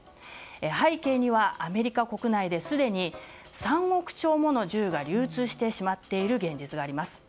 背景には、アメリカ国内ですでに３億丁もの銃が流通してしまっている現実があります。